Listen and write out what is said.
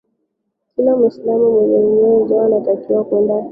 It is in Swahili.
kila muislamu mwenye uwezo anatakiwa kwenda hijja